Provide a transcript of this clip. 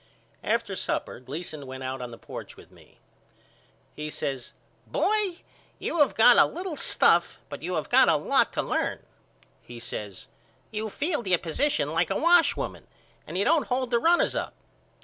After supper Gleason went out on the porch with me. He says Boy you have got a little stuff but you have got a lot to learn. He says You field your position like a wash woman and you don't hold the runners up.